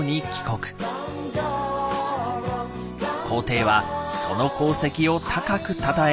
皇帝はその功績を高くたたえ